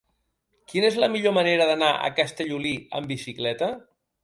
Quina és la millor manera d'anar a Castellolí amb bicicleta?